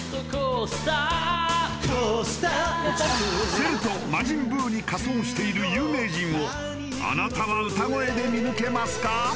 セルと魔人ブウに仮装している有名人をあなたは歌声で見抜けますか？